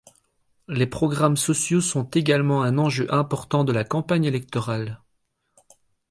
Les programmes sociaux sont également un enjeu important de la campagne électorale.